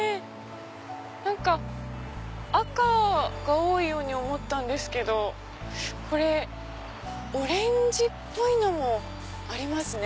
何か赤が多いように思ったんですけどこれオレンジっぽいのもありますね。